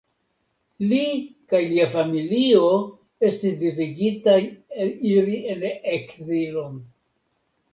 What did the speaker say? Li kaj lia familio estis devigitaj iri en ekzilon.